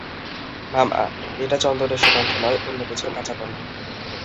মামা, এটা চন্দনের সুগন্ধ নয়, অন্য কিছুর কাঁচা গন্ধ।